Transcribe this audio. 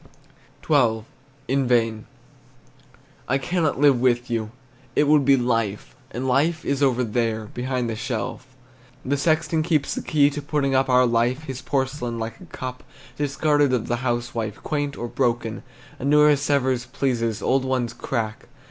XII. IN VAIN. I cannot live with you, It would be life, And life is over there Behind the shelf The sexton keeps the key to, Putting up Our life, his porcelain, Like a cup Discarded of the housewife, Quaint or broken; A newer Sevres pleases, Old ones crack.